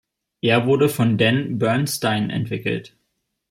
Er wurde von Dan Bernstein entwickelt.